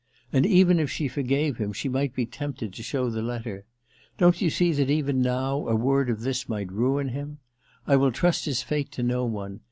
And even if she forgave him, she might be tempted to show the letter. Don't you see that, even now, a word of this might ruin him ^ I will trust his fate to no one.